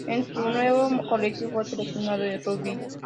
En su nuevo colegio, fue seleccionado de rugby.